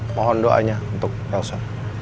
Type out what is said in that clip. mohon doanya untuk elsa